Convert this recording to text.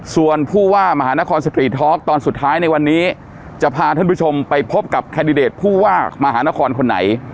ส่วนผู้ว่ามหานครสตรีทอล์กตอนสุดท้ายในวันนี้จะพาท่านผู้ชมไปพบกับแคนดิเดตผู้ว่ามหานครคนไหน